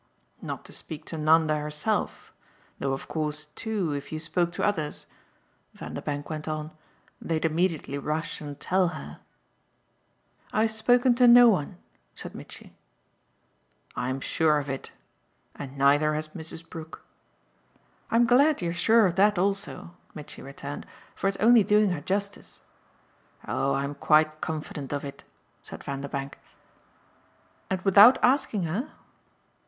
"Not to speak to Nanda herself though of course too if you spoke to others," Vanderbank went on, "they'd immediately rush and tell her." "I've spoken to no one," said Mitchy. "I'm sure of it. And neither has Mrs. Brook." "I'm glad you're sure of that also," Mitchy returned, "for it's only doing her justice." "Oh I'm quite confident of it," said Vanderbank. "And without asking her?"